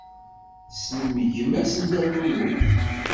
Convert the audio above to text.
Tessnem gma-s n Dda Lmulud?